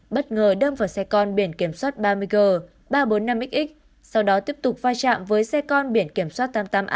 bất ngờ đâm vào xe con biển kiểm soát ba mươi g ba trăm bốn mươi năm xx sau đó tiếp tục vai trạm với xe con biển kiểm soát tám mươi tám a năm trăm một mươi xx